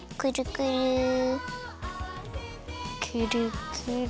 くるくる。